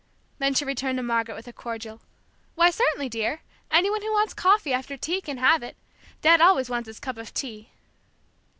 Then she returned to Margaret with a cordial: "Why, certainly, dear! Any one who wants coffee, after tea, can have it! Dad always wants his cup of tea."